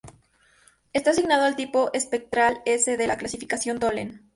Está asignado al tipo espectral S de la clasificación Tholen.